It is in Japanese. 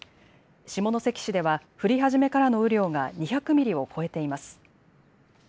下関市では降り始めからの雨量が２００ミリを超えています。